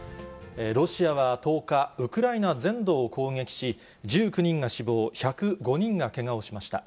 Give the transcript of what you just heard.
ロシアは１０日、ウクライナ全土を攻撃し、１９人が死亡、１０５人がけがをしました。